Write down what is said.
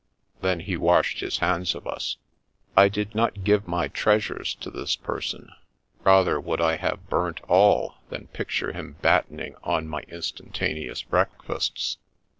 Then he washed his hands of us. I did not give my treasures to this person: The Wings of the Wind 75 rather would I have burnt all, than picture him battening on my Instantaneous Breakfasts.